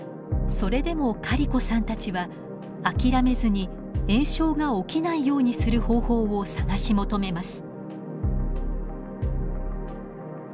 それでもカリコさんたちは諦めずに炎症が起きないようにする方法を探し求めます。